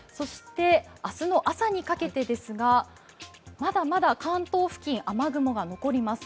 明日の朝にかけてですがまだまだ関東付近、雨雲が残ります